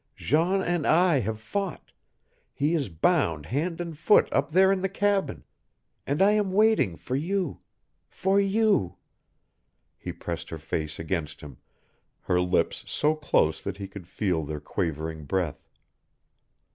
Jean and I have fought he is bound hand and foot up there in the cabin and I am waiting for you for you " He pressed her face against him, her lips so close that he could feel their quavering breath.